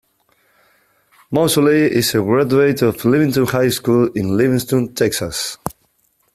Moseley is a graduate of Livingston High School in Livingston, Texas.